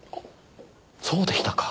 そうでしたか。